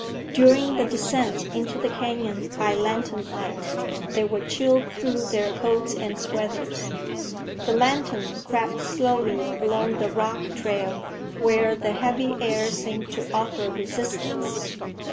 During the descent into the canyon by lantern light, they were chilled through their coats and sweaters. The lantern crept slowly along the rock trail, where the heavy air seemed to offer resistance.